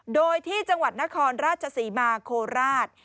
โดยที่จังหวัดนครราชศรีมาโคราช